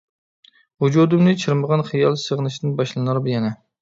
ۋۇجۇدۇمنى چىرمىغان خىيال سېغىنىشتىن باشلىنار يەنە.